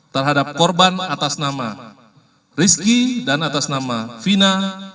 terhadap korban atas nama rizky dan atas nama fina